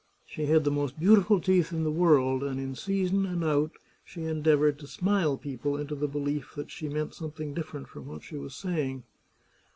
She had the most beautiful teeth in the world, and in season and out she endeavoured to smile people into the belief that she meant something different from what she was saying.